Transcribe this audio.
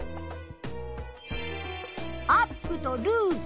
アップとルーズ。